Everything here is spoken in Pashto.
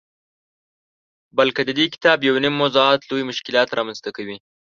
بلکه ددې کتاب یونیم موضوعات لوی مشکلات رامنځته کوي.